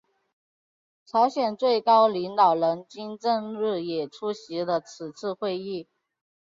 朝鲜最高领导人金正日也出席了此次会议。